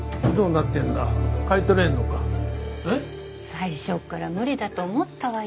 最初っから無理だと思ったわよ。